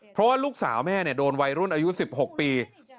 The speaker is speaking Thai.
เพราะว่าลูกสาวแม่โดนวัยรุ่นอายุ๑๖ปี